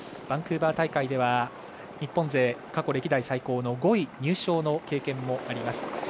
バンクーバー大会では日本勢で過去歴代最高の５位入賞の経験もあります。